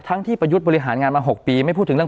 ทั้งที่ประยุทธ์บริหารงานมา๖ปี